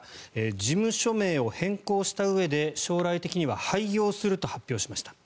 事務所名を変更したうえで将来的には廃業すると発表しました。